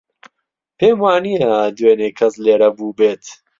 پێم وانییە دوێنێ کەس لێرە بووبێت.